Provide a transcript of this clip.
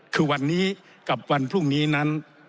คือวันนี้กับวันพรุ่งนี้นั้น